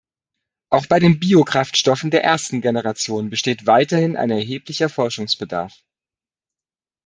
Auch bei den Biokraftstoffen der ersten Generation besteht weiterhin ein erheblicher Forschungsbedarf.